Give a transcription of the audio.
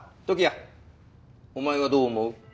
時矢お前はどう思う？